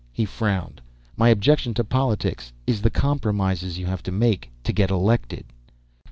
He frowned. "My objection to politics is the compromises you have to make to get elected!"